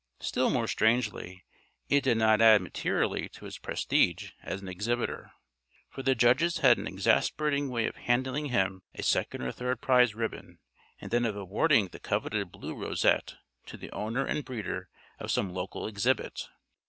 Still more strangely, it did not add materially to his prestige as an exhibitor, for the judges had an exasperating way of handing him a second or third prize ribbon and then of awarding the coveted blue rosette to the owner and breeder of some local exhibit.